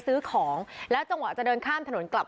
สวัสดีครับ